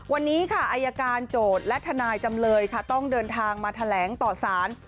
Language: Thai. วันนี้ค่ะอายการโจทย์และทนายจำเลยค่ะต้องเดินทางมาแถลงต่อสาร